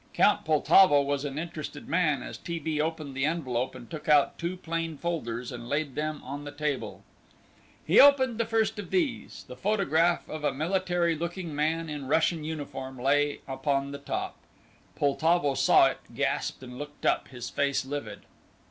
Count Poltavo was an interested man as T. B. opened the envelope and took out two plain folders, and laid them on the table. He opened the first of these; the photograph of a military looking man in Russian uniform lay upon the top. Poltavo saw it, gasped, and looked up, his face livid.